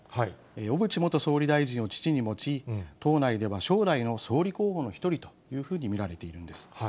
小渕元総理大臣を父に持ち、党内では将来の総理候補の一人というふうに見られているんです。